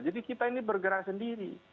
jadi kita ini bergerak sendiri